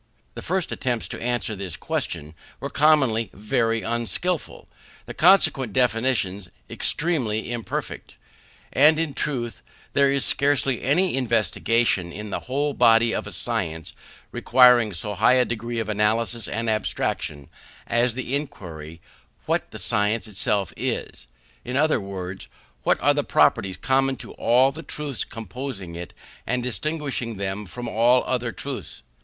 The first attempts to answer this question were commonly very unskilful, and the consequent definitions extremely imperfect. And, in truth, there is scarcely any investigation in the whole body of a science requiring so high a degree of analysis and abstraction, as the inquiry, what the science itself is; in other words, what are the properties common to all the truths composing it, and distinguishing them from all other truths.